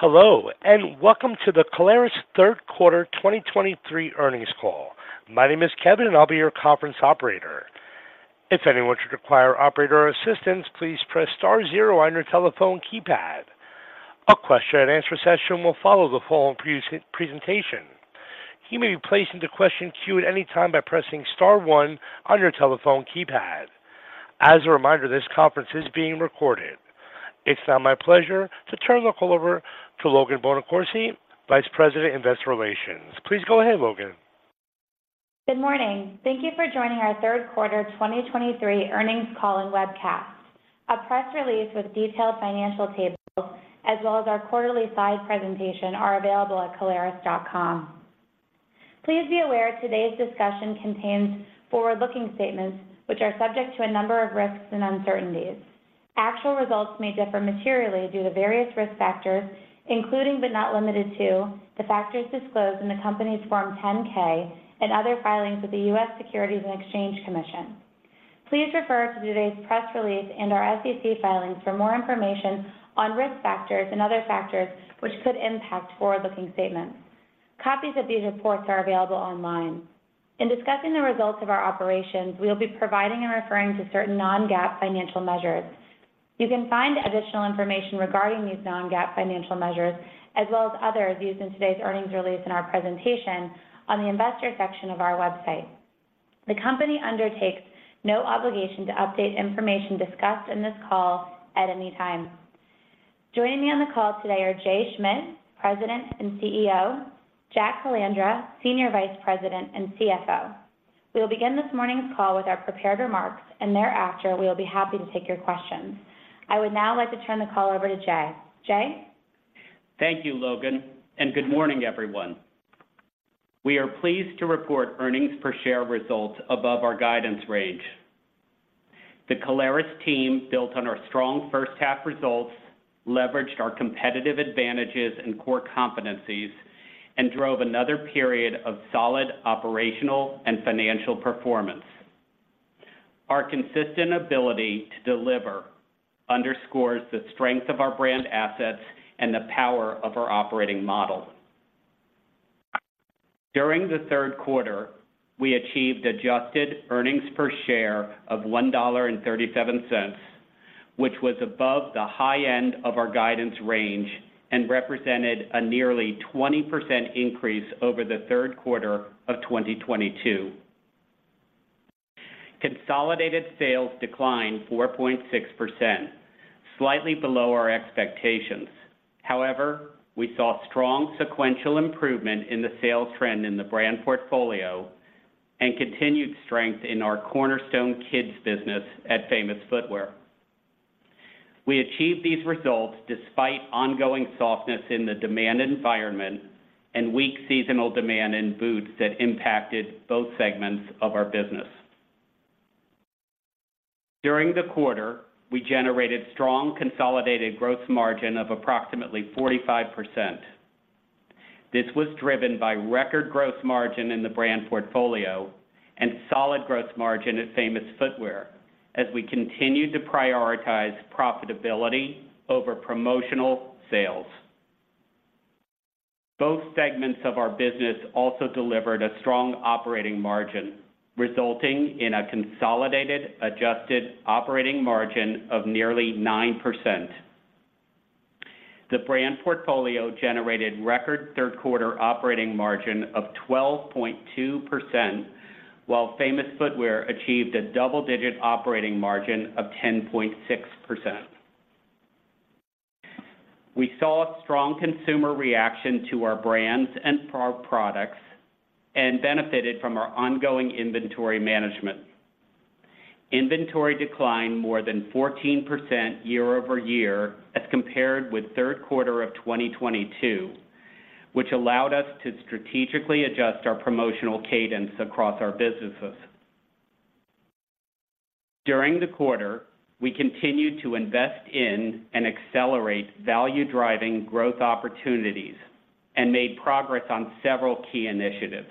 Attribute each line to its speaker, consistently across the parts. Speaker 1: Hello, and welcome to the Caleres Third Quarter 2023 Earnings Call. My name is Kevin, and I'll be your Conference Operator. If anyone should require operator assistance, please press star zero on your telephone keypad. A question-and-answer session will follow the presentation. You may be placed into question queue at any time by pressing star one on your telephone keypad. As a reminder, this conference is being recorded. It's now my pleasure to turn the call over to Logan Bonacorsi, Vice President, Investor Relations. Please go ahead, Logan.
Speaker 2: Good morning. Thank you for joining Our Third Quarter 2023 Earnings Call and Webcast. A press release with detailed financial tables, as well as our quarterly slide presentation, are available at Caleres.com. Please be aware today's discussion contains forward-looking statements which are subject to a number of risks and uncertainties. Actual results may differ materially due to various risk factors, including but not limited to the factors disclosed in the Company's Form 10-K and other filings with the U.S. Securities and Exchange Commission. Please refer to today's press release and our SEC filings for more information on risk factors and other factors which could impact forward-looking statements. Copies of these reports are available online. In discussing the results of our operations, we'll be providing and referring to certain non-GAAP financial measures.
Speaker 3: You can find additional information regarding these non-GAAP financial measures, as well as others used in today's earnings release and our presentation on the Investor section of our website. The company undertakes no obligation to update information discussed in this call at any time. Joining me on the call today are Jay Schmidt, President and CEO; Jack Calandra, Senior Vice President and CFO. We will begin this morning's call with our prepared remarks, and thereafter, we will be happy to take your questions. I would now like to turn the call over to Jay. Jay?
Speaker 4: Thank you, Logan, and good morning, everyone. We are pleased to report earnings per share results above our guidance range. The Caleres team, built on our strong first half results, leveraged our competitive advantages and core competencies and drove another period of solid operational and financial performance. Our consistent ability to deliver underscores the strength of our brand assets and the power of our operating model. During the third quarter, we achieved adjusted earnings per share of $1.37, which was above the high end of our guidance range and represented a nearly 20% increase over the third quarter of 2022. Consolidated sales declined 4.6%, slightly below our expectations. However, we saw strong sequential improvement in the sales trend in the brand portfolio and continued strength in our cornerstone kids business at Famous Footwear. We achieved these results despite ongoing softness in the demand environment and weak seasonal demand in boots that impacted both segments of our business. During the quarter, we generated strong consolidated gross margin of approximately 45%. This was driven by record gross margin in the brand portfolio and solid gross margin at Famous Footwear as we continued to prioritize profitability over promotional sales. Both segments of our business also delivered a strong operating margin, resulting in a consolidated adjusted operating margin of nearly 9%. The brand portfolio generated record third quarter operating margin of 12.2%, while Famous Footwear achieved a double-digit operating margin of 10.6%. We saw a strong consumer reaction to our brands and our products and benefited from our ongoing inventory management. Inventory declined more than 14% year over year as compared with Third Quarter of 2022, which allowed us to strategically adjust our promotional cadence across our businesses. During the quarter, we continued to invest in and accelerate value-driving growth opportunities and made progress on several key initiatives.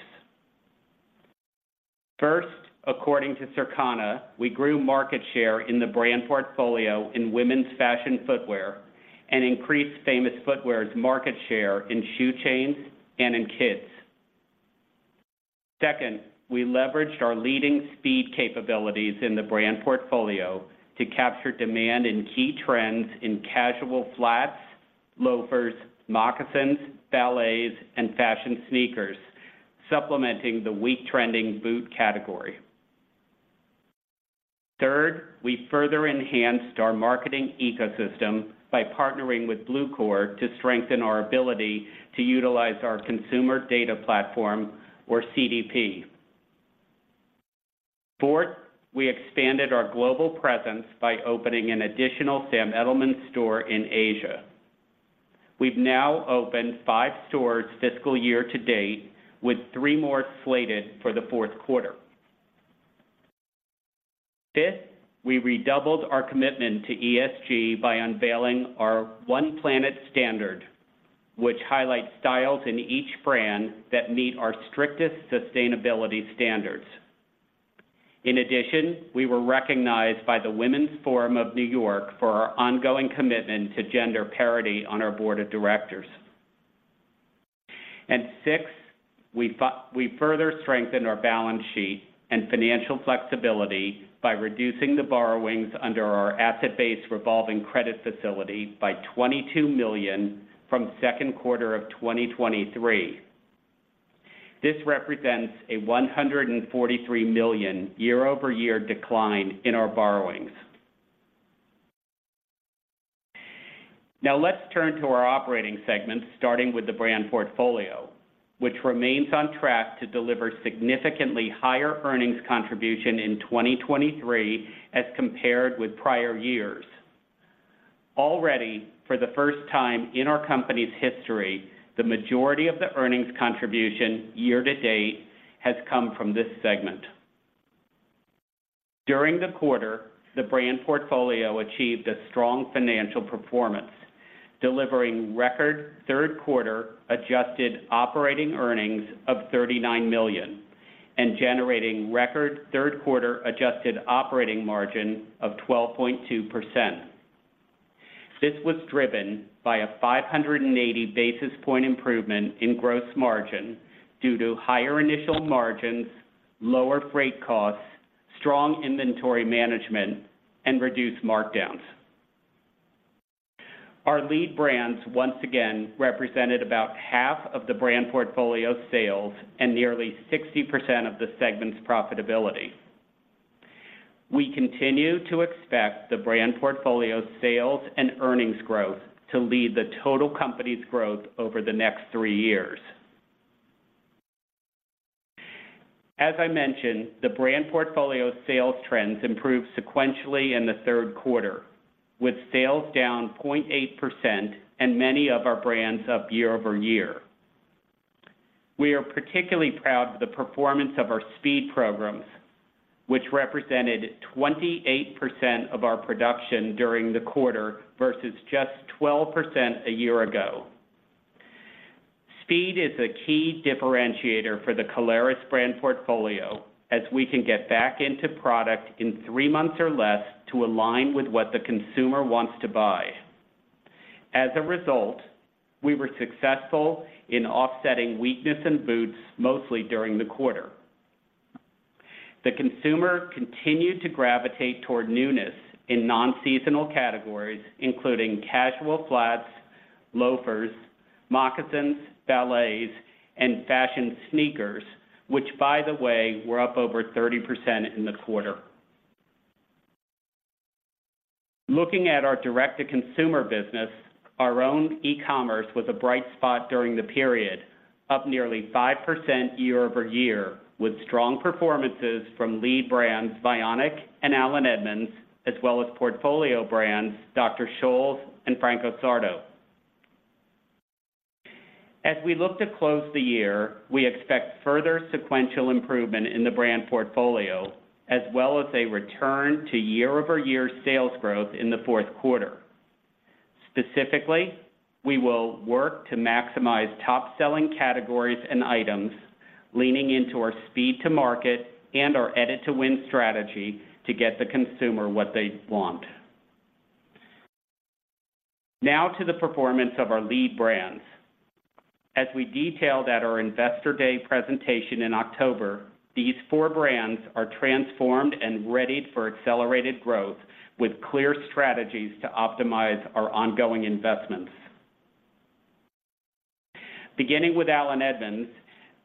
Speaker 4: First, according to Circana, we grew market share in the brand portfolio in women's fashion footwear and increased Famous Footwear's market share in shoe chains and in kids. Second, we leveraged our leading speed capabilities in the brand portfolio to capture demand in key trends in casual flats, loafers, moccasins, ballets, and fashion sneakers, supplementing the weak trending boot category. Third, we further enhanced our marketing ecosystem by partnering with Bluecore to strengthen our ability to utilize our consumer data platform or CDP. Fourth, we expanded our global presence by opening an additional Sam Edelman store in Asia. We've now opened five stores fiscal year to date, with three more slated for the fourth quarter. Fifth, we redoubled our commitment to ESG by unveiling our One Planet Standard, which highlights styles in each brand that meet our strictest sustainability standards. In addition, we were recognized by the Women's Forum of New York for our ongoing commitment to gender parity on our board of directors. And six, we further strengthened our balance sheet and financial flexibility by reducing the borrowings under our asset-based revolving credit facility by $22 million from second quarter of 2023. This represents a $143 million year-over-year decline in our borrowings. Now let's turn to our operating segments, starting with the brand portfolio, which remains on track to deliver significantly higher earnings contribution in 2023 as compared with prior years. Already, for the first time in our company's history, the majority of the earnings contribution year to date has come from this segment. During the quarter, the brand portfolio achieved a strong financial performance, delivering record third quarter adjusted operating earnings of $39 million and generating record third quarter adjusted operating margin of 12.2%. This was driven by a 580 basis point improvement in gross margin due to higher initial margins, lower freight costs, strong inventory management, and reduced markdowns. Our lead brands once again represented about half of the brand portfolio sales and nearly 60% of the segment's profitability. We continue to expect the brand portfolio sales and earnings growth to lead the total company's growth over the next 3 years. As I mentioned, the brand portfolio sales trends improved sequentially in the third quarter, with sales down 0.8% and many of our brands up year-over-year. We are particularly proud of the performance of our speed programs, which represented 28% of our production during the quarter versus just 12% a year ago. Speed is a key differentiator for the Caleres brand portfolio as we can get back into product in three months or less to align with what the consumer wants to buy. As a result, we were successful in offsetting weakness in boots mostly during the quarter. The consumer continued to gravitate toward newness in non-seasonal categories, including casual flats, loafers, moccasins, ballets, and fashion sneakers, which, by the way, were up over 30% in the quarter. Looking at our direct-to-consumer business, our own e-commerce was a bright spot during the period, up nearly 5% year-over-year, with strong performances from lead brands Vionic and Allen Edmonds, as well as portfolio brands Dr. Scholl's and Franco Sarto. As we look to close the year, we expect further sequential improvement in the brand portfolio, as well as a return to year-over-year sales growth in the fourth quarter. Specifically, we will work to maximize top-selling categories and items, leaning into our speed to market and our Edit to win strategy to get the consumer what they want. Now to the performance of our lead brands. As we detailed at our Investor Day presentation in October, these four brands are transformed and readied for accelerated growth, with clear strategies to optimize our ongoing investments. Beginning with Allen Edmonds,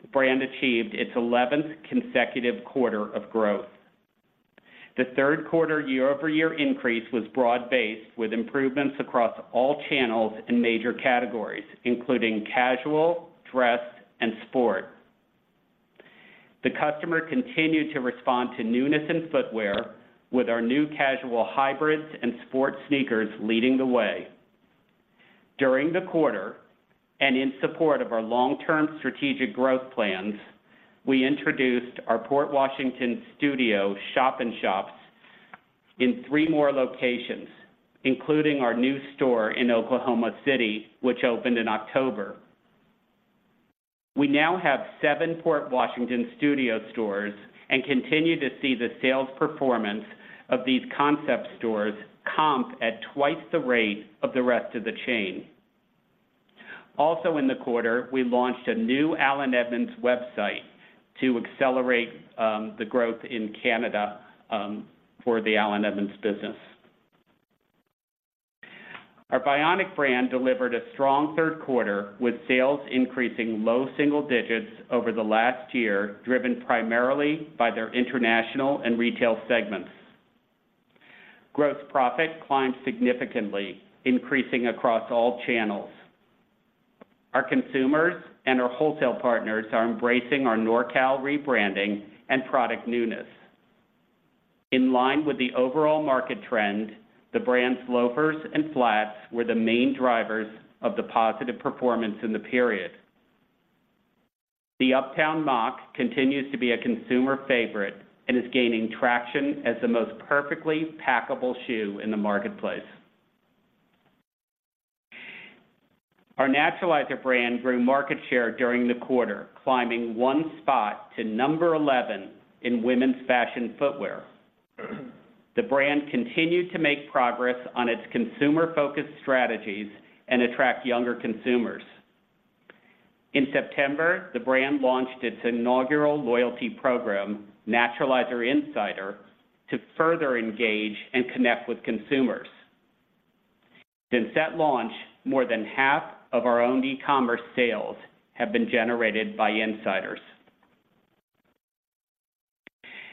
Speaker 4: the brand achieved its 11th consecutive quarter of growth. The third quarter year-over-year increase was broad-based, with improvements across all channels and major categories, including casual, dress, and sport. The customer continued to respond to newness in footwear, with our new casual hybrids and sport sneakers leading the way. During the quarter, and in support of our long-term strategic growth plans, we introduced our Port Washington Studio shop-in-shops in three more locations, including our new store in Oklahoma City, which opened in October. We now have seven Port Washington Studio stores and continue to see the sales performance of these concept stores comp at twice the rate of the rest of the chain. Also in the quarter, we launched a new Allen Edmonds website to accelerate, the growth in Canada, for the Allen Edmonds business. Our Vionic brand delivered a strong third quarter, with sales increasing low single digits over the last year, driven primarily by their international and retail segments. Gross profit climbed significantly, increasing across all channels. Our consumers and our wholesale partners are embracing our NorCal rebranding and product newness. In line with the overall market trend, the brand's loafers and flats were the main drivers of the positive performance in the period. The Uptown Moc continues to be a consumer favorite and is gaining traction as the most perfectly packable shoe in the marketplace.... Our Naturalizer brand grew market share during the quarter, climbing one spot to number 11 in women's fashion footwear. The brand continued to make progress on its consumer-focused strategies and attract younger consumers. In September, the brand launched its inaugural loyalty program, Naturalizer Insider, to further engage and connect with consumers. Since that launch, more than half of our own e-commerce sales have been generated by Insiders.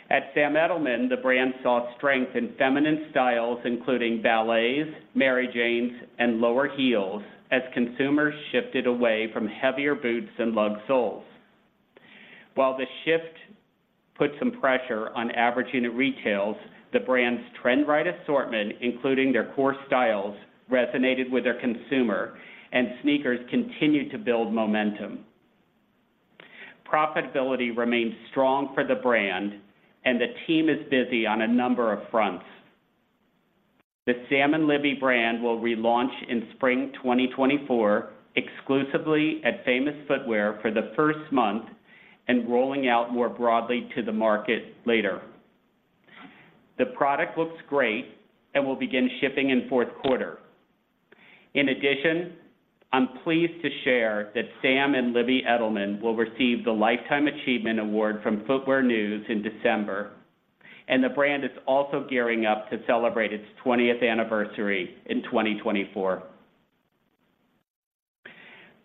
Speaker 4: At Sam Edelman, the brand saw strength in feminine styles, including ballets, Mary Janes, and lower heels, as consumers shifted away from heavier boots and lug soles. While the shift put some pressure on average unit retail, the brand's trend-right assortment, including their core styles, resonated with their consumer, and sneakers continued to build momentum. Profitability remains strong for the brand, and the team is busy on a number of fronts. The Sam & Libby brand will relaunch in spring 2024, exclusively at Famous Footwear for the first month and rolling out more broadly to the market later. The product looks great and will begin shipping in fourth quarter. In addition, I'm pleased to share that Sam & Libby Edelman will receive the Lifetime Achievement Award from Footwear News in December, and the brand is also gearing up to celebrate its twentieth anniversary in 2024.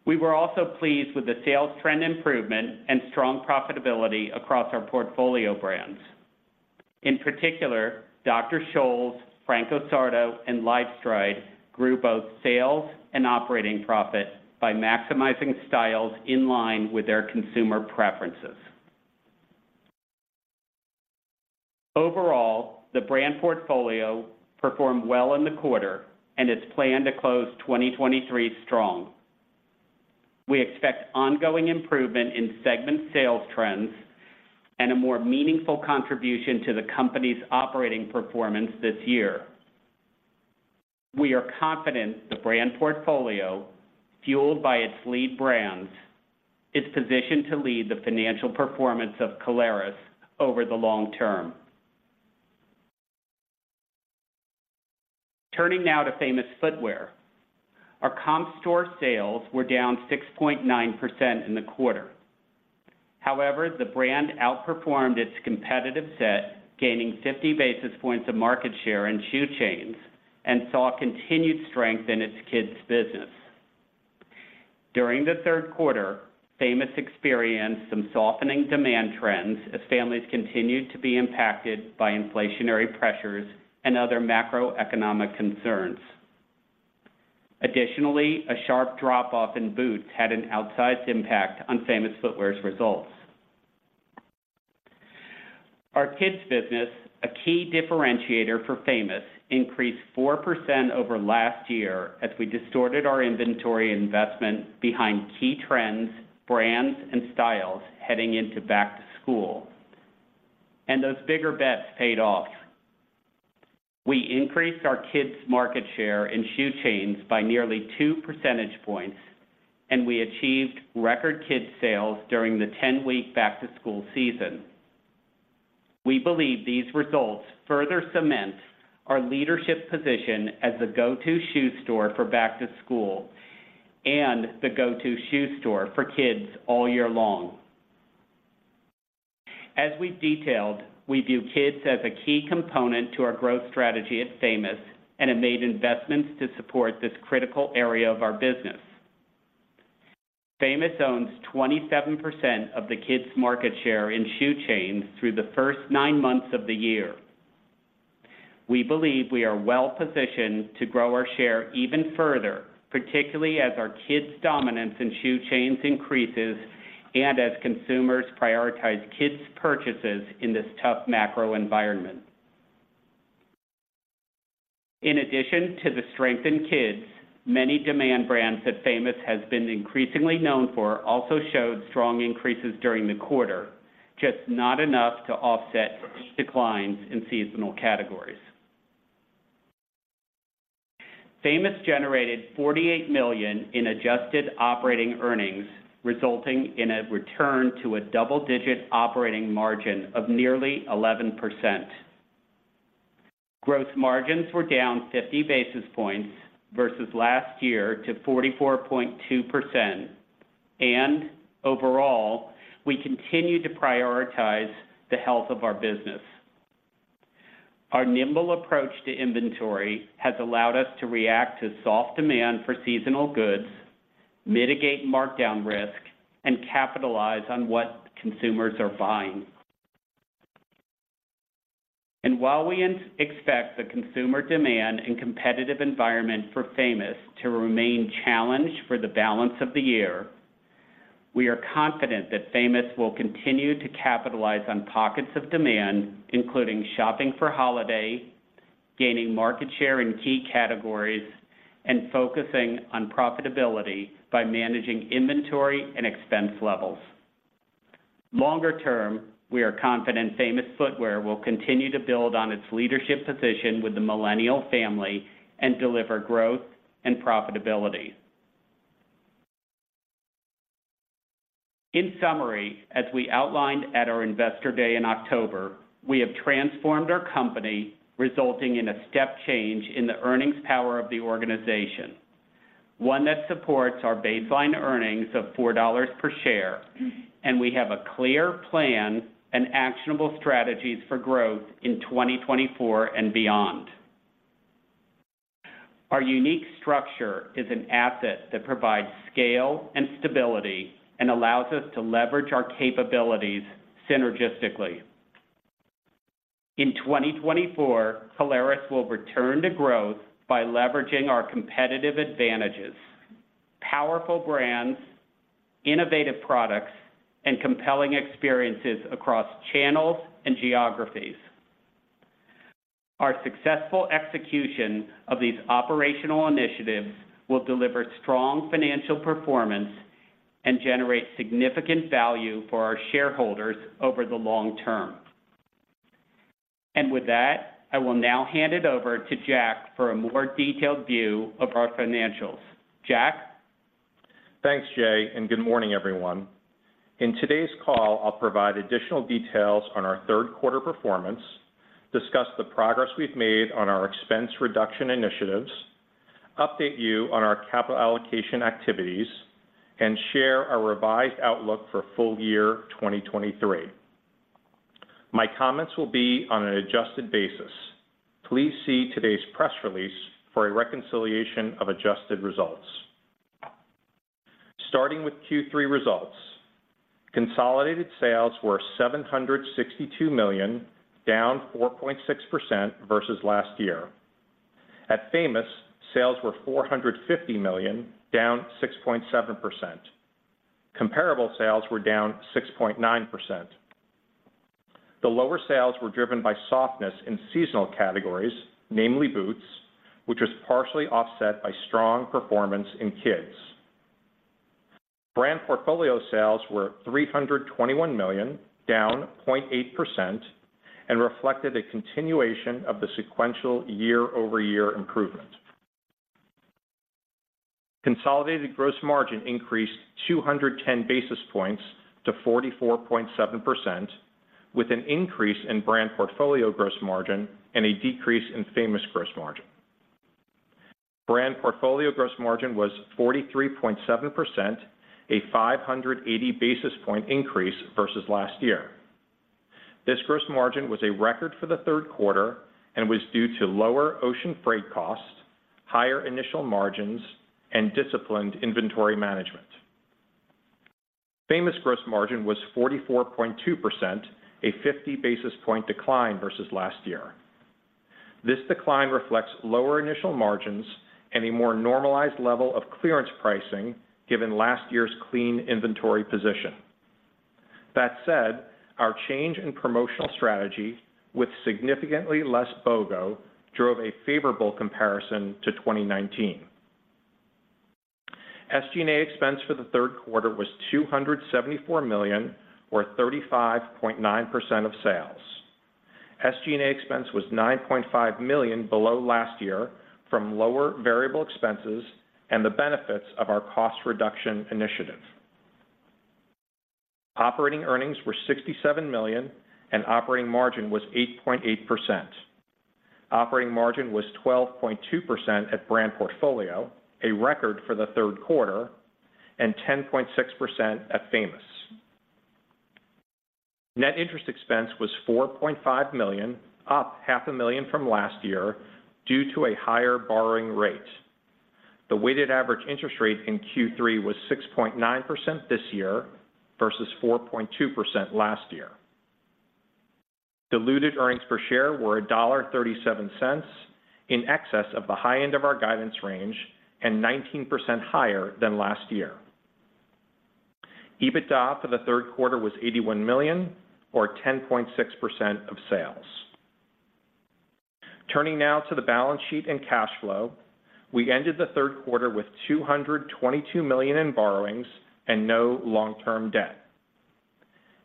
Speaker 4: We were also pleased with the sales trend improvement and strong profitability across our portfolio brands. In particular, Dr. Scholl's, Franco Sarto, and LifeStride grew both sales and operating profit by maximizing styles in line with their consumer preferences. Overall, the brand portfolio performed well in the quarter and is planned to close 2023 strong. We expect ongoing improvement in segment sales trends and a more meaningful contribution to the company's operating performance this year. We are confident the brand portfolio, fueled by its lead brands, is positioned to lead the financial performance of Caleres over the long term. Turning now to Famous Footwear. Our comp store sales were down 6.9% in the quarter. However, the brand outperformed its competitive set, gaining 50 basis points of market share in shoe chains and saw continued strength in its kids' business. During the third quarter, Famous Footwear experienced some softening demand trends as families continued to be impacted by inflationary pressures and other macroeconomic concerns. Additionally, a sharp drop-off in boots had an outsized impact on Famous Footwear's results. Our kids' business, a key differentiator for Famous Footwear, increased 4% over last year as we distorted our inventory investment behind key trends, brands, and styles heading into back-to-school, and those bigger bets paid off. We increased our kids' market share in shoe chains by nearly two percentage points, and we achieved record kids' sales during the 10-week back-to-school season. We believe these results further cement our leadership position as the go-to shoe store for back-to-school and the go-to shoe store for kids all year long. As we've detailed, we view kids as a key component to our growth strategy at Famous and have made investments to support this critical area of our business. Famous owns 27% of the kids' market share in shoe chains through the first nine months of the year. We believe we are well-positioned to grow our share even further, particularly as our kids' dominance in shoe chains increases and as consumers prioritize kids' purchases in this tough macro environment. In addition to the strength in kids, many demand brands that Famous has been increasingly known for also showed strong increases during the quarter, just not enough to offset declines in seasonal categories. Famous generated $48 million in adjusted operating earnings, resulting in a return to a double-digit operating margin of nearly 11%. Gross margins were down 50 basis points versus last year to 44.2%, and overall, we continue to prioritize the health of our business. Our nimble approach to inventory has allowed us to react to soft demand for seasonal goods, mitigate markdown risk, and capitalize on what consumers are buying. And while we expect the consumer demand and competitive environment for Famous to remain challenged for the balance of the year, we are confident that Famous will continue to capitalize on pockets of demand, including shopping for holiday, gaining market share in key categories, and focusing on profitability by managing inventory and expense levels. Longer term, we are confident Famous Footwear will continue to build on its leadership position with the millennial family and deliver growth and profitability. In summary, as we outlined at our Investor Day in October, we have transformed our company, resulting in a step change in the earnings power of the organization, one that supports our baseline earnings of $4 per share, and we have a clear plan and actionable strategies for growth in 2024 and beyond. Our unique structure is an asset that provides scale and stability and allows us to leverage our capabilities synergistically. In 2024, Caleres will return to growth by leveraging our competitive advantages, powerful brands, innovative products, and compelling experiences across channels and geographies. Our successful execution of these operational initiatives will deliver strong financial performance and generate significant value for our shareholders over the long term. With that, I will now hand it over to Jack for a more detailed view of our financials. Jack?
Speaker 5: Thanks, Jay, and good morning, everyone. In today's call, I'll provide additional details on our third quarter performance, discuss the progress we've made on our expense reduction initiatives, update you on our capital allocation activities, and share our revised outlook for full year 2023. My comments will be on an adjusted basis. Please see today's press release for a reconciliation of adjusted results. Starting with Q3 results, consolidated sales were $762 million, down 4.6% versus last year. At Famous, sales were $450 million, down 6.7%. Comparable sales were down 6.9%. The lower sales were driven by softness in seasonal categories, namely boots, which was partially offset by strong performance in kids. Brand portfolio sales were $321 million, down 0.8%, and reflected a continuation of the sequential year-over-year improvement. Consolidated gross margin increased 210 basis points to 44.7%, with an increase in brand portfolio gross margin and a decrease in Famous gross margin. Brand portfolio gross margin was 43.7%, a 580 basis point increase versus last year. This gross margin was a record for the third quarter and was due to lower ocean freight costs, higher initial margins, and disciplined inventory management. Famous gross margin was 44.2%, a 50 basis point decline versus last year. This decline reflects lower initial margins and a more normalized level of clearance pricing, given last year's clean inventory position. That said, our change in promotional strategy, with significantly less BOGO, drove a favorable comparison to 2019. SG&A expense for the third quarter was $274 million, or 35.9% of sales. SG&A expense was $9.5 million below last year from lower variable expenses and the benefits of our cost reduction initiative. Operating earnings were $67 million, and operating margin was 8.8%. Operating margin was 12.2% at brand portfolio, a record for the third quarter, and 10.6% at Famous. Net interest expense was $4.5 million, up $500,000 from last year, due to a higher borrowing rate. The weighted average interest rate in Q3 was 6.9% this year versus 4.2% last year. Diluted earnings per share were $1.37, in excess of the high end of our guidance range and 19% higher than last year. EBITDA for the third quarter was $81 million, or 10.6% of sales. Turning now to the balance sheet and cash flow, we ended the third quarter with $222 million in borrowings and no long-term debt.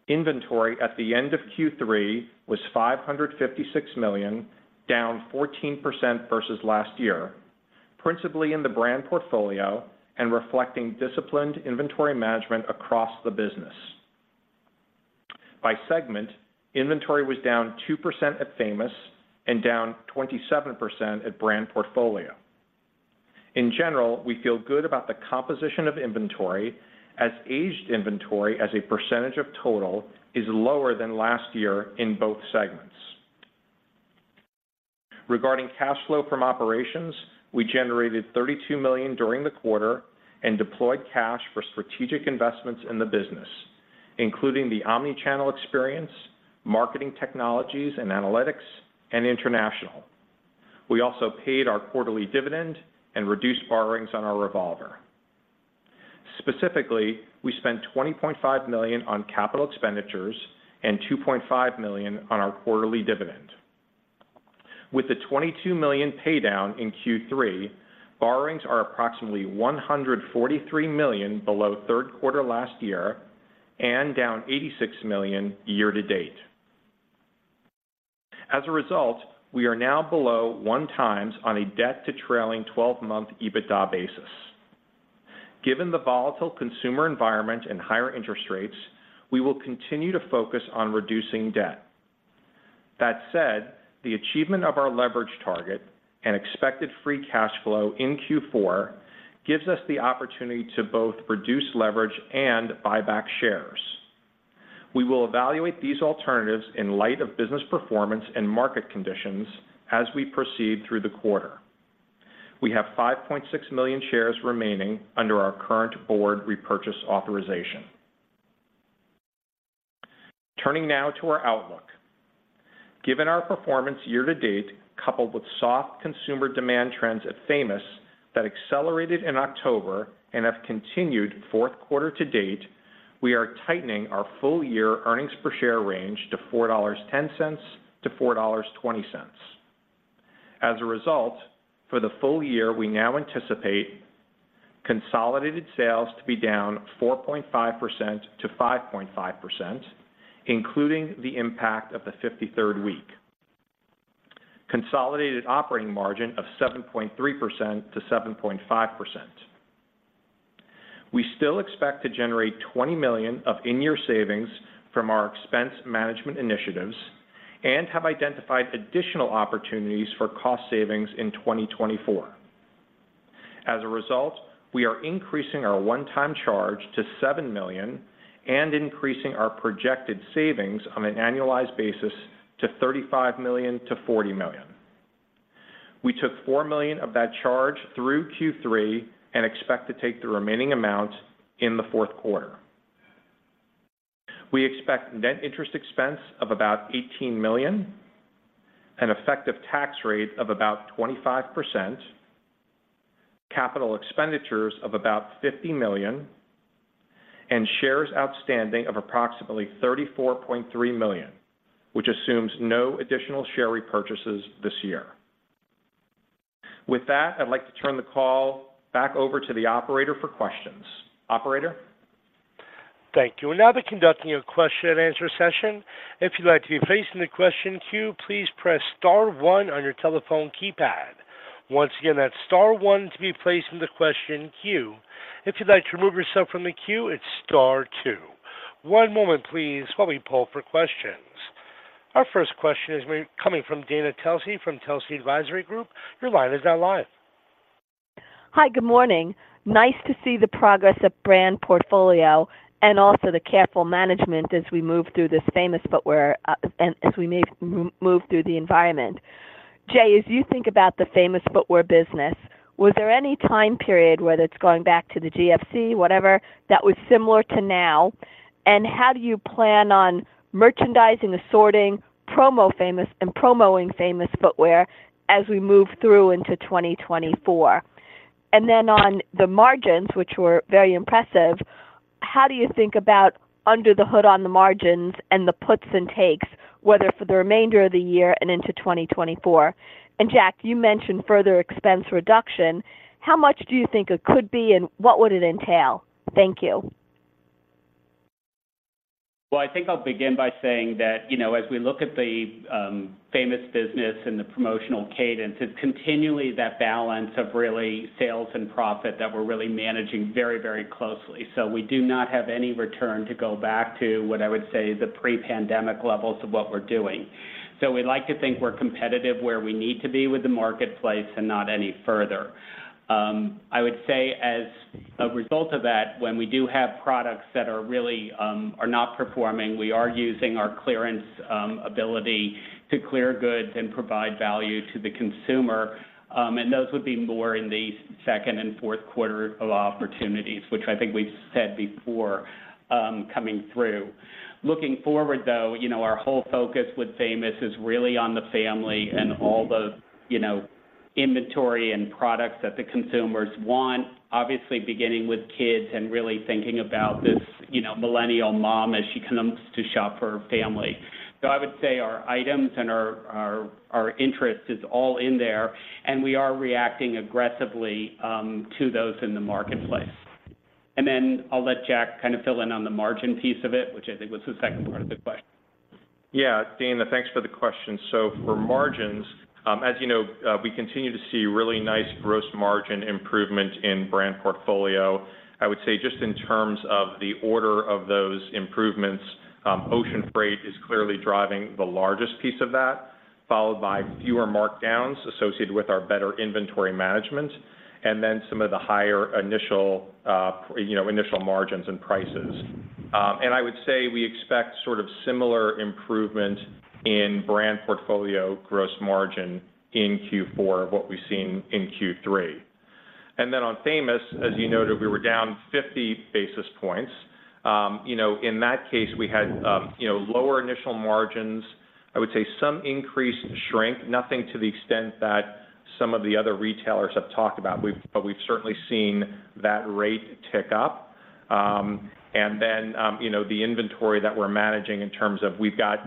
Speaker 5: Inventory at the end of Q3 was $556 million, down 14% versus last year, principally in the brand portfolio and reflecting disciplined inventory management across the business. By segment, inventory was down 2% at Famous and down 27% at Brand Portfolio. In general, we feel good about the composition of inventory as aged inventory, as a % of total, is lower than last year in both segments. Regarding cash flow from operations, we generated $32 million during the quarter and deployed cash for strategic investments in the business, including the omni-channel experience, marketing technologies and analytics, and international. We also paid our quarterly dividend and reduced borrowings on our revolver. Specifically, we spent $20.5 million on capital expenditures and $2.5 million on our quarterly dividend. With the $22 million pay down in Q3, borrowings are approximately $143 million below third quarter last year and down $86 million year to date. As a result, we are now below 1x on a debt to trailing twelve-month EBITDA basis. Given the volatile consumer environment and higher interest rates, we will continue to focus on reducing debt. That said, the achievement of our leverage target and expected free cash flow in Q4 gives us the opportunity to both reduce leverage and buy back shares. We will evaluate these alternatives in light of business performance and market conditions as we proceed through the quarter. We have 5.6 million shares remaining under our current board repurchase authorization. Turning now to our outlook. Given our performance year to date, coupled with soft consumer demand trends at Famous that accelerated in October and have continued fourth quarter to date, we are tightening our full year earnings per share range to $4.10-$4.20. As a result, for the full year, we now anticipate consolidated sales to be down 4.5%-5.5%, including the impact of the 53rd week. Consolidated operating margin of 7.3%-7.5%. We still expect to generate $20 million of in-year savings from our expense management initiatives and have identified additional opportunities for cost savings in 2024. As a result, we are increasing our one-time charge to $7 million and increasing our projected savings on an annualized basis to $35 million-$40 million. We took $4 million of that charge through Q3 and expect to take the remaining amount in the fourth quarter. We expect net interest expense of about $18 million, an effective tax rate of about 25%, capital expenditures of about $50 million, and shares outstanding of approximately 34.3 million, which assumes no additional share repurchases this year. With that, I'd like to turn the call back over to the operator for questions. Operator?
Speaker 1: Thank you. We're now conducting a question and answer session. If you'd like to be placed in the question queue, please press star one on your telephone keypad. Once again, that's star one to be placed in the question queue. If you'd like to remove yourself from the queue, it's star two. One moment, please, while we pull for questions. Our first question is coming from Dana Telsey, from Telsey Advisory Group. Your line is now live.
Speaker 6: Hi, good morning. Nice to see the progress of brand portfolio and also the careful management as we move through this Famous Footwear, and as we move through the environment. Jay, as you think about the Famous Footwear business, was there any time period, whether it's going back to the GFC, whatever, that was similar to now? And how do you plan on merchandising, assorting, promo Famous, and promoing Famous Footwear as we move through into 2024? And then on the margins, which were very impressive, how do you think about under the hood on the margins and the puts and takes, whether for the remainder of the year and into 2024? And Jack, you mentioned further expense reduction. How much do you think it could be, and what would it entail? Thank you.
Speaker 4: Well, I think I'll begin by saying that, you know, as we look at the Famous business and the promotional cadence, it's continually that balance of really sales and profit that we're really managing very, very closely. So we do not have any return to go back to what I would say is the pre-pandemic levels of what we're doing. So we'd like to think we're competitive where we need to be with the marketplace and not any further. I would say as a result of that, when we do have products that are really are not performing, we are using our clearance ability to clear goods and provide value to the consumer. And those would be more in the second and fourth quarter of opportunities, which I think we've said before, coming through. Looking forward, though, you know, our whole focus with Famous is really on the family and all the, you know, inventory and products that the consumers want. Obviously, beginning with kids and really thinking about this, you know, millennial mom as she comes to shop for her family. So I would say our items and our interest is all in there, and we are reacting aggressively to those in the marketplace. And then I'll let Jack kind of fill in on the margin piece of it, which I think was the second part of the question.
Speaker 5: Yeah, Dana, thanks for the question. So for margins, as you know, we continue to see really nice gross margin improvement in brand portfolio. I would say just in terms of the order of those improvements, ocean freight is clearly driving the largest piece of that, followed by fewer markdowns associated with our better inventory management, and then some of the higher initial, you know, initial margins and prices. And I would say we expect sort of similar improvement in brand portfolio gross margin in Q4 of what we've seen in Q3. And then on Famous, as you noted, we were down 50 basis points. You know, in that case, we had lower initial margins. I would say some increased shrink, nothing to the extent that some of the other retailers have talked about. But we've certainly seen that rate tick up. And then, you know, the inventory that we're managing in terms of we've got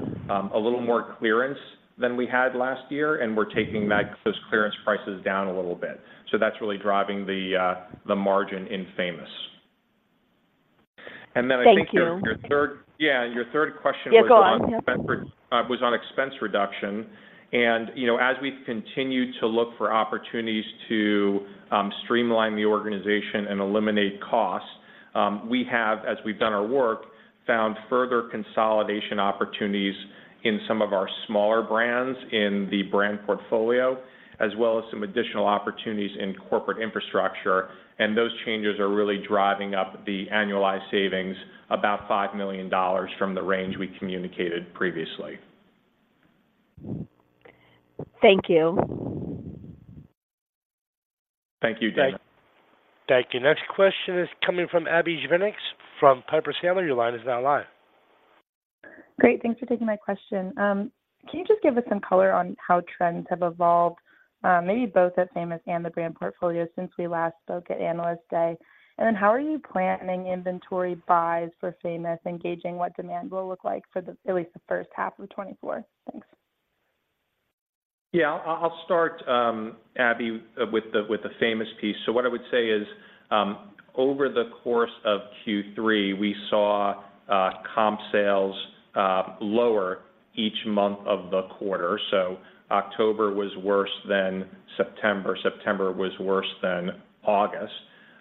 Speaker 5: a little more clearance than we had last year, and we're taking back those clearance prices down a little bit. So that's really driving the margin in Famous. And then I think-
Speaker 6: Thank you.
Speaker 5: Yeah, your third question.
Speaker 2: Yeah, go on....
Speaker 5: was on expense reduction. You know, as we continue to look for opportunities to streamline the organization and eliminate costs, we have, as we've done our work, found further consolidation opportunities in some of our smaller brands in the brand portfolio, as well as some additional opportunities in corporate infrastructure. Those changes are really driving up the annualized savings about $5 million from the range we communicated previously.
Speaker 6: Thank you.
Speaker 5: Thank you, Dana.
Speaker 1: Thank you. Next question is coming from Abbie Zvejnieks from Piper Sandler. Your line is now live.
Speaker 7: Great. Thanks for taking my question. Can you just give us some color on how trends have evolved, maybe both at Famous and the brand portfolio since we last spoke at Analyst Day? And then how are you planning inventory buys for Famous, engaging what demand will look like for the, at least the first half of 2024? Thanks.
Speaker 5: Yeah, I'll start, Abbie, with the Famous piece. So what I would say is, over the course of Q3, we saw comp sales lower each month of the quarter. So October was worse than September. September was worse than August.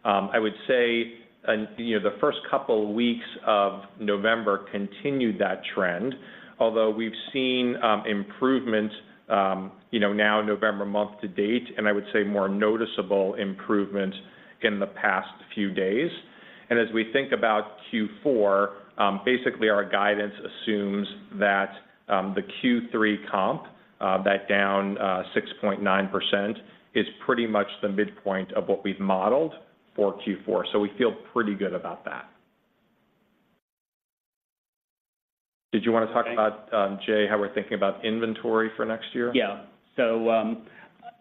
Speaker 5: I would say, and, you know, the first couple of weeks of November continued that trend, although we've seen improvement, you know, now November month to date, and I would say more noticeable improvement in the past few days. And as we think about Q4, basically, our guidance assumes that the Q3 comp, that down 6.9% is pretty much the midpoint of what we've modeled for Q4. So we feel pretty good about that. Did you want to talk about, Jay, how we're thinking about inventory for next year?
Speaker 4: Yeah. So,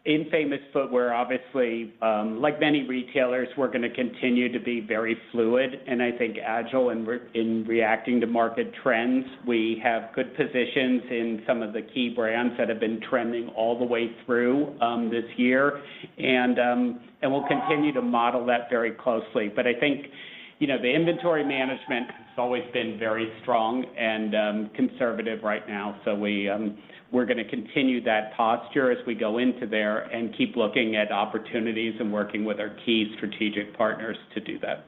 Speaker 4: in Famous Footwear, obviously, like many retailers, we're gonna continue to be very fluid, and I think agile in reacting to market trends. We have good positions in some of the key brands that have been trending all the way through this year. And we'll continue to model that very closely. But I think, you know, the inventory management has always been very strong and conservative right now. So we're gonna continue that posture as we go into there and keep looking at opportunities and working with our key strategic partners to do that.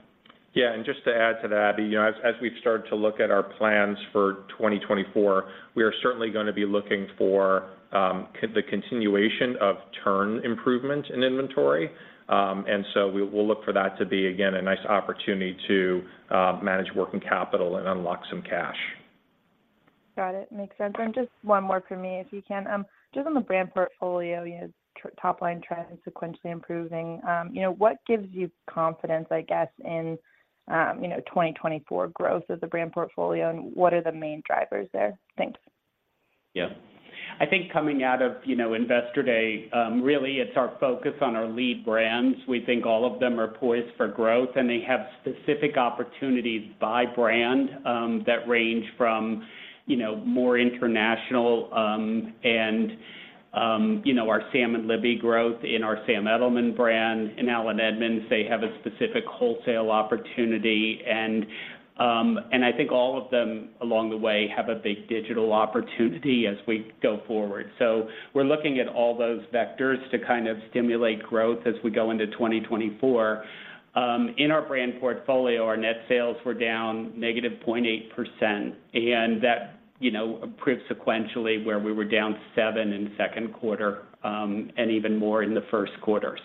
Speaker 5: Yeah, and just to add to that, Abbie, you know, as we've started to look at our plans for 2024, we are certainly gonna be looking for the continuation of turn improvement in inventory. And so we'll look for that to be, again, a nice opportunity to manage working capital and unlock some cash.
Speaker 7: Got it. Makes sense. And just one more for me, if you can. Just on the brand portfolio, you know, top-line trends sequentially improving, you know, what gives you confidence, I guess, in, you know, 2024 growth of the brand portfolio, and what are the main drivers there? Thanks.
Speaker 5: Yeah.
Speaker 4: I think coming out of, you know, Investor Day, really, it's our focus on our lead brands. We think all of them are poised for growth, and they have specific opportunities by brand, that range from, you know, more international, and, you know, our Sam and Libby growth in our Sam Edelman brand. In Allen Edmonds, they have a specific wholesale opportunity, and, and I think all of them along the way have a big digital opportunity as we go forward. So we're looking at all those vectors to kind of stimulate growth as we go into 2024. In our brand portfolio, our net sales were down -0.8%, and that, you know, improved sequentially, where we were down 7% in second quarter, and even more in the first quarter.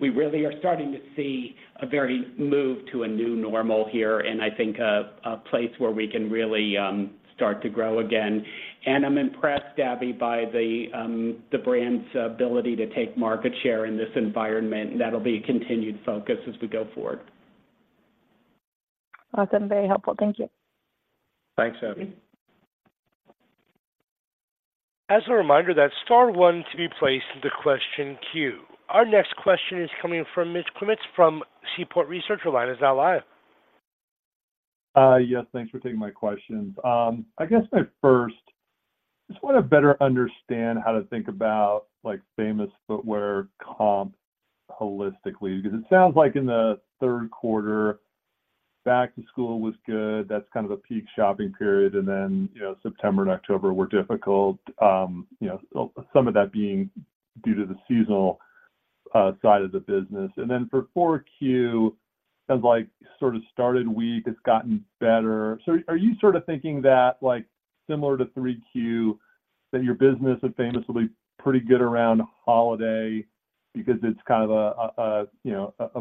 Speaker 4: We really are starting to see a very move to a new normal here, and I think a place where we can really start to grow again. I'm impressed, Abbie, by the brand's ability to take market share in this environment, and that'll be a continued focus as we go forward.
Speaker 7: Awesome. Very helpful. Thank you.
Speaker 5: Thanks, Abbie.
Speaker 1: As a reminder, that's star one to be placed in the question queue. Our next question is coming from Mitch Kummetz, from Seaport Research. Your line is now live.
Speaker 2: Yes, thanks for taking my questions. I guess my first, just want to better understand how to think about, like, Famous Footwear comp holistically, because it sounds like in the third quarter, back to school was good. That's kind of a peak shopping period, and then, you know, September and October were difficult, you know, some of that being due to the seasonal side of the business. And then for 4Q, sounds like sort of started weak, it's gotten better. So are you sort of thinking that, like, similar to 3Q, that your business at Famous will be pretty good around holiday because it's kind of a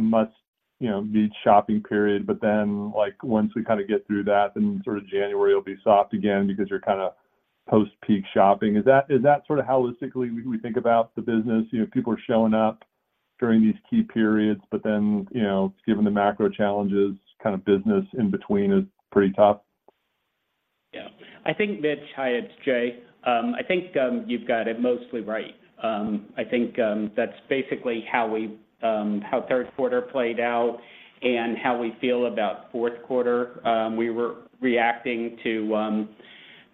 Speaker 2: you know a must you know meet shopping period, but then, like, once we kind of get through that, then sort of January will be soft again because you're kind of post-peak shopping? Is that, is that sort of holistically we think about the business? You know, people are showing up during these key periods, but then, you know, given the macro challenges, kind of business in between is pretty tough?
Speaker 4: I think, Mitch, hi, it's Jay. I think, you've got it mostly right. I think, that's basically how we, how third quarter played out and how we feel about fourth quarter. We were reacting to,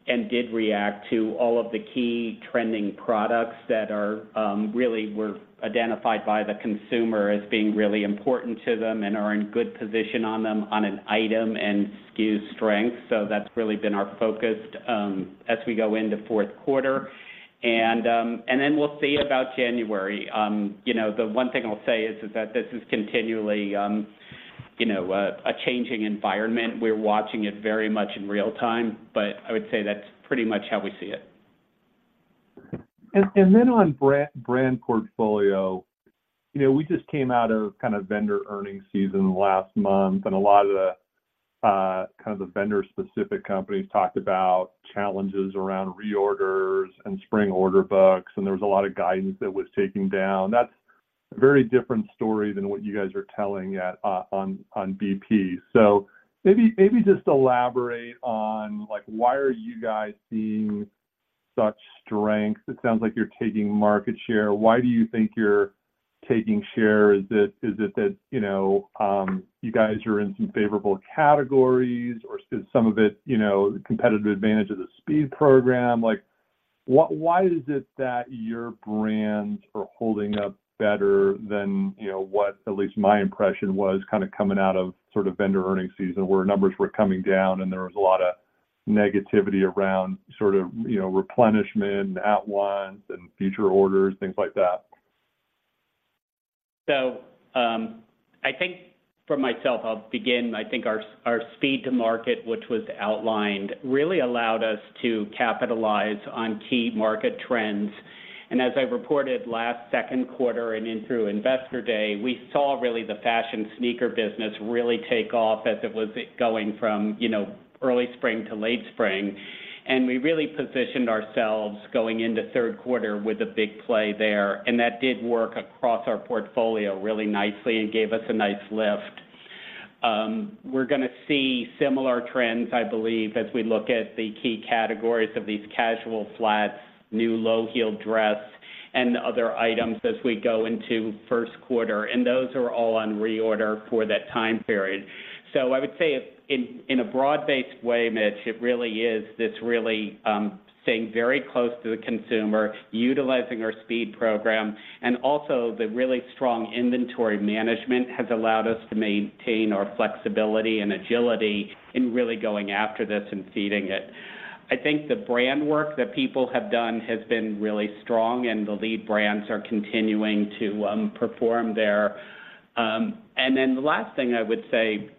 Speaker 4: and did react to all of the key trending products that are, really were identified by the consumer as being really important to them and are in good position on them on an item and SKU strength. So that's really been our focus, as we go into fourth quarter. And, and then we'll see about January. You know, the one thing I'll say is that this is continually, you know, a changing environment. We're watching it very much in real time, but I would say that's pretty much how we see it.
Speaker 2: And then on brand portfolio, you know, we just came out of kind of vendor earnings season last month, and a lot of the kind of the vendor-specific companies talked about challenges around reorders and spring order books, and there was a lot of guidance that was taken down. That's a very different story than what you guys are telling at on on BP. So maybe, maybe just elaborate on, like, why are you guys seeing such strength? It sounds like you're taking market share. Why do you think you're taking share? Is it, is it that, you know, you guys are in some favorable categories, or is some of it, you know, the competitive advantage of the speed program? Like, why, why is it that your brands are holding up better than, you know, what at least my impression was kind of coming out of sort of vendor earnings season, where numbers were coming down and there was a lot of negativity around sort of, you know, replenishment and at once and future orders, things like that?
Speaker 4: So, I think for myself, I'll begin. I think our Speed to Market, which was outlined, really allowed us to capitalize on key market trends. As I reported last second quarter and in through Investor Day, we saw really the fashion sneaker business really take off as it was going from, you know, early spring to late spring. We really positioned ourselves going into third quarter with a big play there, and that did work across our portfolio really nicely and gave us a nice lift. We're gonna see similar trends, I believe, as we look at the key categories of these casual flats, new low-heel dress, and other items as we go into first quarter. Those are all on reorder for that time period. So I would say, in a broad-based way, Mitch, it really is this really, staying very close to the consumer, utilizing our speed program, and also the really strong inventory management has allowed us to maintain our flexibility and agility in really going after this and feeding it. I think the brand work that people have done has been really strong, and the lead brands are continuing to perform there. And then the last thing I would say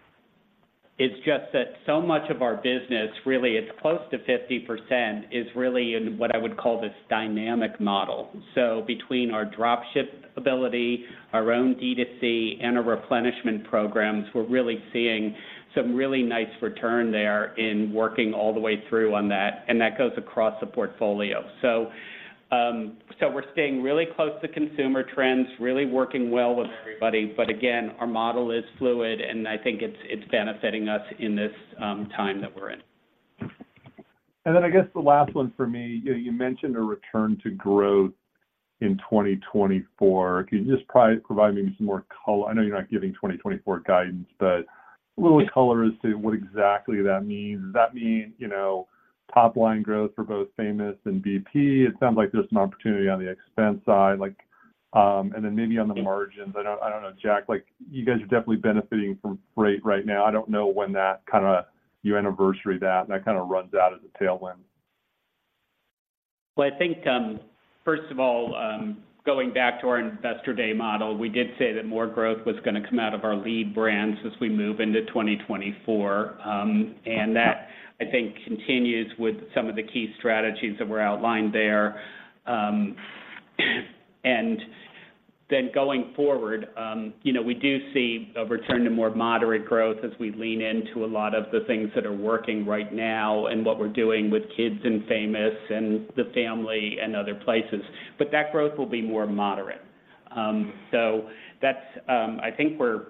Speaker 4: is just that so much of our business, really, it's close to 50%, is really in what I would call this dynamic model. So between our drop ship ability, our own DTC, and our replenishment programs, we're really seeing some really nice return there in working all the way through on that, and that goes across the portfolio. So we're staying really close to consumer trends, really working well with everybody. But again, our model is fluid, and I think it's benefiting us in this time that we're in.
Speaker 2: Then I guess the last one for me, you know, you mentioned a return to growth in 2024. Can you just provide me some more color? I know you're not giving 2024 guidance, but a little color as to what exactly that means. Does that mean, you know, top line growth for both Famous and BP? It sounds like there's an opportunity on the expense side, like... And then maybe on the margins. I don't, I don't know, Jack, like, you guys are definitely benefiting from rate right now. I don't know when that kind of, you anniversary that, and that kind of runs out as a tailwind.
Speaker 4: Well, I think, first of all, going back to our Investor Day model, we did say that more growth was gonna come out of our lead brands as we move into 2024. And that, I think, continues with some of the key strategies that were outlined there. And then going forward, you know, we do see a return to more moderate growth as we lean into a lot of the things that are working right now and what we're doing with kids and Famous and the family and other places. But that growth will be more moderate. So that's, I think we're,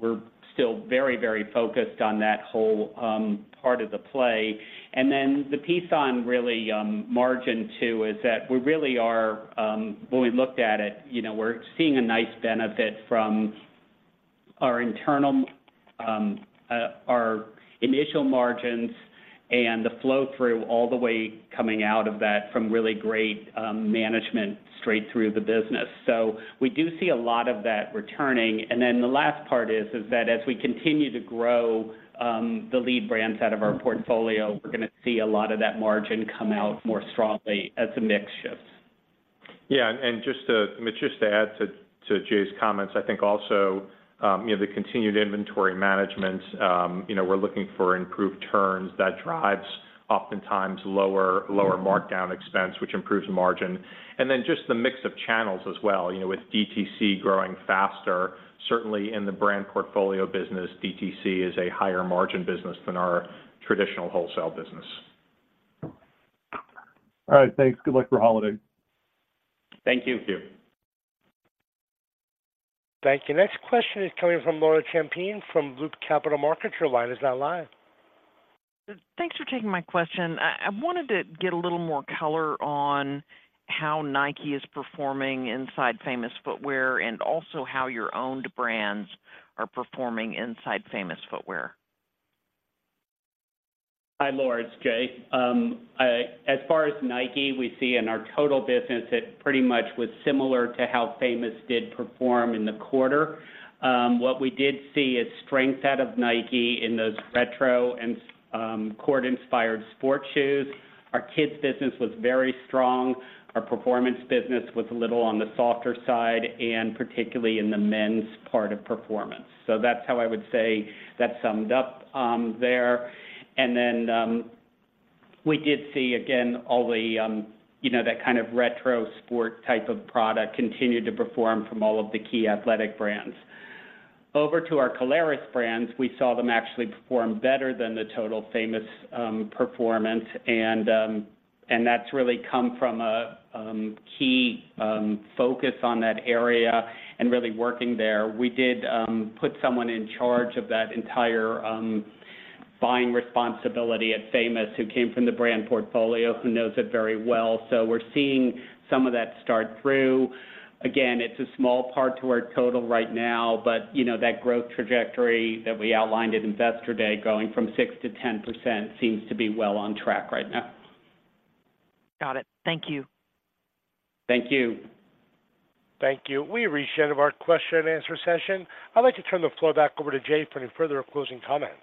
Speaker 4: we're still very, very focused on that whole part of the play. And then the piece on really margin too, is that we really are... When we looked at it, you know, we're seeing a nice benefit from our internal, our Initial Margins and the flow-through all the way coming out of that from really great management straight through the business. So we do see a lot of that returning. And then the last part is that as we continue to grow, the lead brands out of our portfolio, we're gonna see a lot of that margin come out more strongly as the mix shifts.
Speaker 5: Yeah, and just to, Mitch, just to add to, to Jay's comments, I think also, you know, the continued inventory management, you know, we're looking for improved turns that drives oftentimes lower, lower markdown expense, which improves margin. And then just the mix of channels as well, you know, with DTC growing faster. Certainly, in the brand portfolio business, DTC is a higher margin business than our traditional wholesale business.
Speaker 2: All right. Thanks. Good luck for holiday.
Speaker 4: Thank you.
Speaker 5: Thank you.
Speaker 1: Thank you. Next question is coming from Laura Champine from Loop Capital Markets. Your line is now live.
Speaker 8: Thanks for taking my question. I wanted to get a little more color on how Nike is performing inside Famous Footwear, and also how your owned brands are performing inside Famous Footwear.
Speaker 4: Hi, Laura, it's Jay. As far as Nike, we see in our total business, it pretty much was similar to how Famous did perform in the quarter. What we did see is strength out of Nike in those retro and court-inspired sport shoes. Our kids business was very strong. Our performance business was a little on the softer side, and particularly in the men's part of performance. So that's how I would say that summed up there. And then we did see, again, all the you know, that kind of retro sport type of product continued to perform from all of the key athletic brands. Over to our Caleres brands, we saw them actually perform better than the total Famous performance, and that's really come from a key focus on that area and really working there. We did put someone in charge of that entire buying responsibility at Famous, who came from the brand portfolio, who knows it very well. So we're seeing some of that start through. Again, it's a small part to our total right now, but you know, that growth trajectory that we outlined at Investor Day, going from 6%-10% seems to be well on track right now.
Speaker 8: Got it. Thank you.
Speaker 4: Thank you.
Speaker 1: Thank you. We've reached the end of our question and answer session. I'd like to turn the floor back over to Jay for any further closing comments.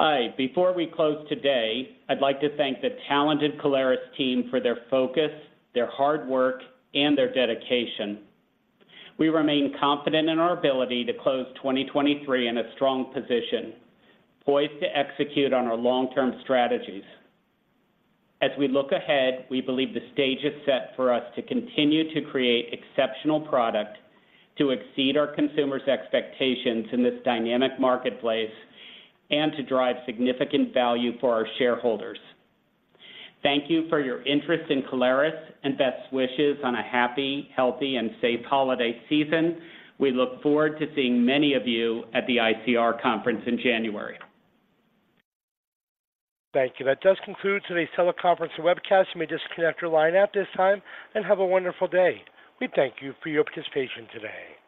Speaker 4: Hi. Before we close today, I'd like to thank the talented Caleres team for their focus, their hard work, and their dedication. We remain confident in our ability to close 2023 in a strong position, poised to execute on our long-term strategies. As we look ahead, we believe the stage is set for us to continue to create exceptional product, to exceed our consumers' expectations in this dynamic marketplace, and to drive significant value for our shareholders. Thank you for your interest in Caleres, and best wishes on a happy, healthy, and safe holiday season. We look forward to seeing many of you at the ICR Conference in January.
Speaker 1: Thank you. That does conclude today's teleconference and webcast. You may disconnect your line at this time, and have a wonderful day. We thank you for your participation today.